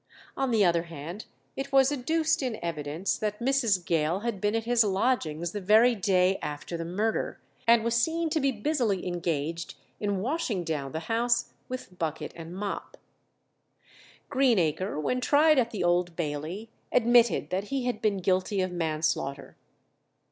On the other hand, it was adduced in evidence that Mrs. Gale had been at his lodgings the very day after the murder, and was seen to be busily engaged in washing down the house with bucket and mop. Greenacre, when tried at the Old Bailey, admitted that he had been guilty of manslaughter.